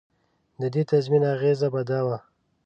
د دې تضمین اغېزه به دا وه.